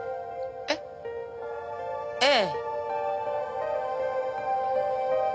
えっ？ええ。